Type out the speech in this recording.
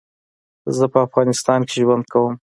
زه په افغانستان کي ژوند کوم